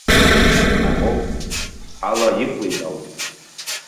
Мамоу, ахала иқәлеит ауп!